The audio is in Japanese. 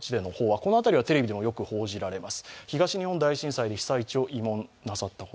この辺りはテレビでもよく報じられます。